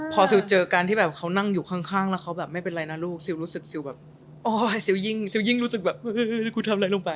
พอซิลเจอกันที่แบบเขานั่งอยู่ข้างแล้วเขาแบบไม่เป็นไรนะลูกซิลรู้สึกซิลแบบโอ้ยซิลยิ่งซิลยิ่งรู้สึกแบบกูทำอะไรลงไป